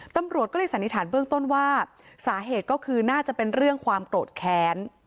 ตำรวจก็เลยสันนิษฐานเบื้องต้นว่าสาเหตุก็คือน่าจะเป็นเรื่องความโกรธแค้น